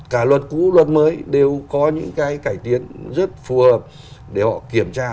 cả luật cũ luật mới đều có những cái cải tiến rất phù hợp để họ kiểm tra